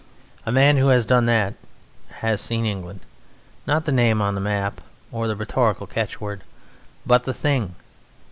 A man who has done that has seen England not the name or the map or the rhetorical catchword, but the thing.